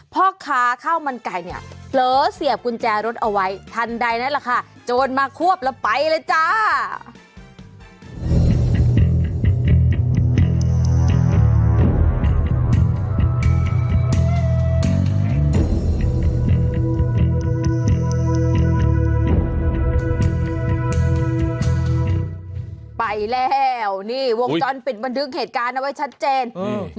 ไปแล้วนี่วงจรปิดมาดึงเหตุการณ์นะไว้ชัดเจนอืม